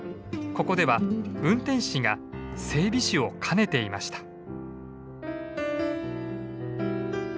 ここでは運転士が整備士を兼ねていました。